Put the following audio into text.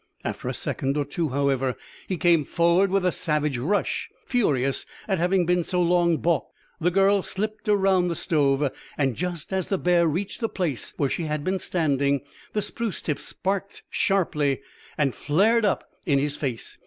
After a second or two, however, he came forward with a savage rush, furious at having been so long balked. The girl slipped around the stove. And just as the bear reached the place where she had been standing, the spruce tips sparked sharply and flared up in his face.